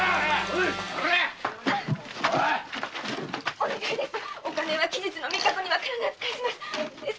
お願いです